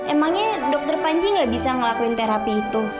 emangnya dokter panji gak bisa ngelakuin terapi itu